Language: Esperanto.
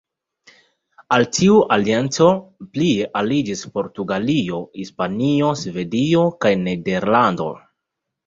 Al tiu alianco plie aliĝis Portugalio, Hispanio, Svedio kaj Nederlando.